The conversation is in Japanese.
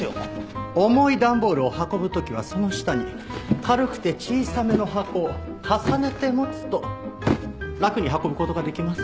重い段ボールを運ぶ時はその下に軽くて小さめの箱を重ねて持つと楽に運ぶ事ができます。